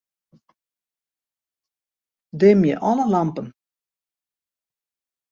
Dimje alle lampen.